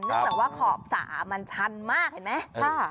จากว่าขอบสระมันชันมากเห็นไหม